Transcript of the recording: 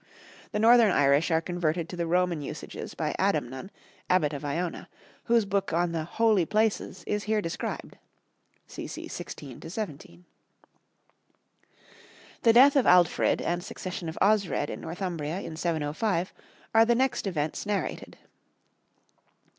The Northern Irish are converted to the Roman usages by Adamnan, Abbot of Iona, whose book on the "Holy Places" is here described (cc. 16 17). The death of Aldfrid and succession of Osred in Northumbria in 705 are the next events narrated.